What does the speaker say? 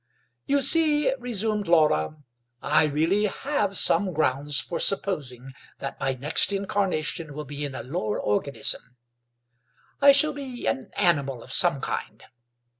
"You see," resumed Laura, "I really have some grounds for supposing that my next incarnation will be in a lower organism. I shall be an animal of some kind.